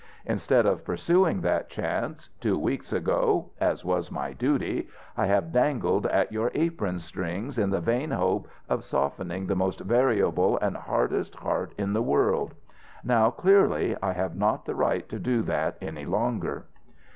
Instead of pursuing that chance, two weeks ago as was my duty I have dangled at your apron strings, in the vain hope of softening the most variable and hardest heart in the world. Now, clearly, I have not the right to do that any longer."